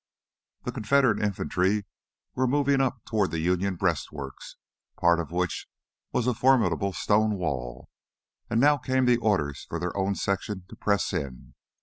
The Confederate infantry were moving up toward the Union breastworks, part of which was a formidable stone wall. And now came the orders for their own section to press in.